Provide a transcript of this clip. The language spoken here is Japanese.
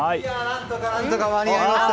何とか間に合いました！